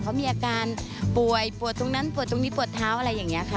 เขามีอาการป่วยปวดตรงนั้นปวดตรงนี้ปวดเท้าอะไรอย่างนี้ค่ะ